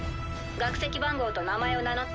学籍番号と名前を名乗って。